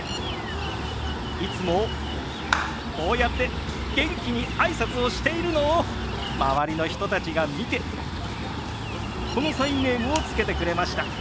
いつもこうやって元気に挨拶をしているのを周りの人たちが見てこのサインネームを付けてくれました。